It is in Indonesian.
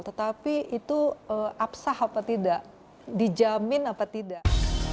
tetapi itu apsah apa tidak dijamin apa tidak